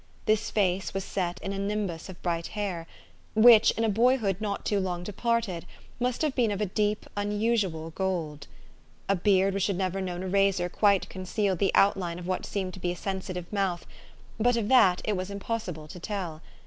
This face was set in a nimbus of bright hair, which, in a boy hood not too long departed, must have been of deep, unusual gold. A beard which had never known a razor quite concealed the outline of what seemed to be a sensitive mouth ; but of that it was impossible to tell.